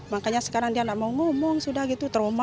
makanya sekarang dia nggak mau ngomong sudah gitu trauma